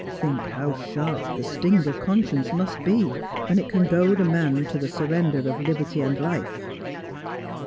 Think how sharp the sting of conscience must be when it can goad a man to the surrender of liberty and life.'